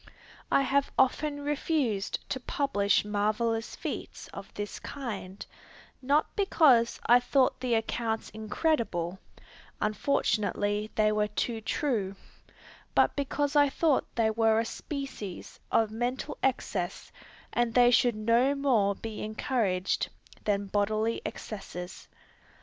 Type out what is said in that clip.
I have often refused to publish marvellous feats of this kind, not because I thought the accounts incredible, (unfortunately, they were too true,) but because I thought they were a species of mental excess, and they should no more be encouraged than bodily excesses.